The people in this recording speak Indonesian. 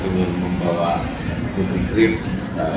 dan punya tujuan